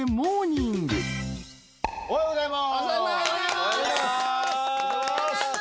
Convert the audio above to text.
おはようございます！